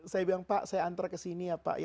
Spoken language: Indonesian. saya bilang pak saya antar ke sini ya pak